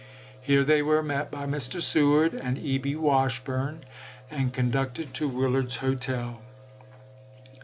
Here they were isei. met by Mr. Seward and E. B. Washburne, and conducted to Willard's Hotel.